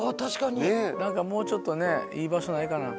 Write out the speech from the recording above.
何かもうちょっとねいい場所ないかな。